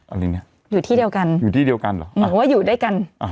อะไรเนี้ยอยู่ที่เดียวกันอยู่ที่เดียวกันเหรออ๋อว่าอยู่ด้วยกันอ่า